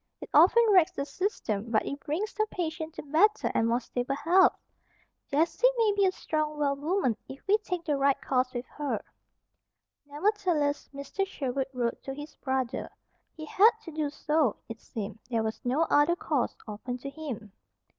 It often wracks the system, but it brings the patient to better and more stable health. Jessie may yet be a strong, well woman if we take the right course with her." Nevertheless, Mr. Sherwood wrote to his brother. He had to do so, it seemed. There was no other course open to him.